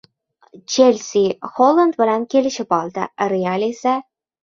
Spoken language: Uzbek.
"Chelsi" Xoland bilan kelishib oldi. "Real" esa...